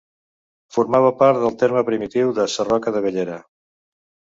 Formava part del terme primitiu de Sarroca de Bellera.